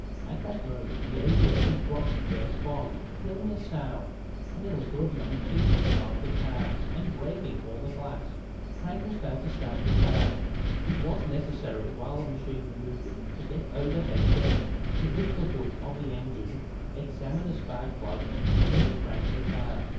At that moment the aviator dropped the first bomb, killing a sow and a litter of young pigs beside the car and breaking all the glass. Cranking failed to start the car. It was necessary, while the machine manoeuvred to get overhead again, to lift the hood of the engine, examine a spark plug and then crank the car.